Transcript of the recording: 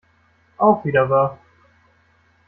Auch wieder wahr.